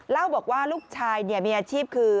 เล่าบอกว่าลูกชายมีอาชีพคือ